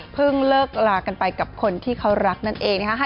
เพิ่งเลิกลากันไปกับคนที่เขารักนั่นเอง